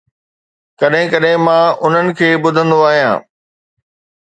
ڪڏهن ڪڏهن مان انهن کي ٻڌندو آهيان.